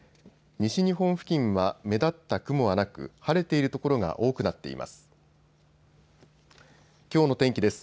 西日本付近は目立った雲はなく晴れている所が多くなっています。